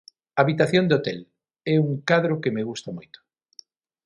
"Habitación de hotel" é un cadro que me gusta moito."